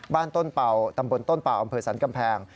บ้านต้นเป่าตำบลต้นเป่าอำเภอสันกำแพง